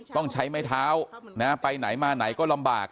ต้องใช้ไม้เท้าไปไหนมาไหนก็ลำบาก